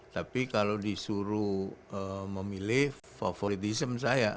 tapi kalau disuruh memilih favoritism saya